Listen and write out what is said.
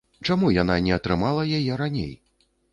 Чаму яна не атрымала яе раней?